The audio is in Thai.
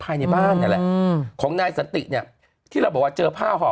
ภายในบ้านนี่แหละของนายสันติเนี่ยที่เราบอกว่าเจอผ้าห่อ